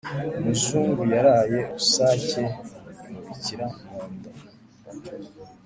Umuzungu Yaraye rusake imubikira munda.